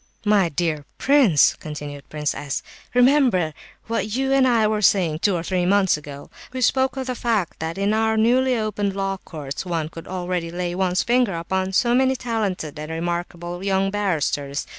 "My dear prince," continued Prince S. "remember what you and I were saying two or three months ago. We spoke of the fact that in our newly opened Law Courts one could already lay one's finger upon so many talented and remarkable young barristers.